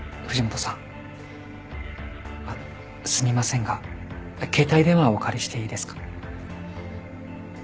藤本さんあのすみませんが携帯電話をお借りしていいですか？